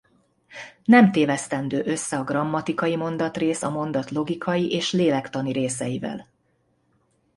Nem tévesztendő össze a grammatikai mondatrész a mondat logikai és lélektani részeivel.